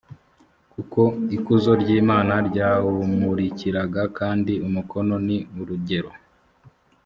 kuko ikuzo ry imana ryawumurikiraga kandi umukono ni urugero